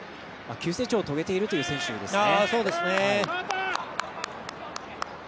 急成長を遂げているという選手ですね。